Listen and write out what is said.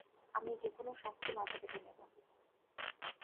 আমি যেকোনো শাস্তি মাথা পেতে নেব।